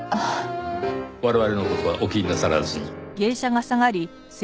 我々の事はお気になさらずに。